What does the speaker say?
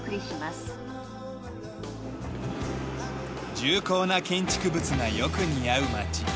重厚な建築物がよく似合う町。